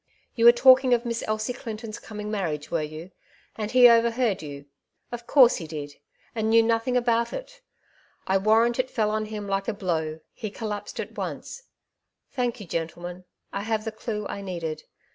You were talking of Miss Elsie Clinton's coming marriage, were you? and he overheard you. Of course he did, and knew nothing about it. I warrant it fell on him like a A Momeitfs Delirium, 205 blow — lie collapsed at once. Thank you, gentle men ; I have the clue I needed.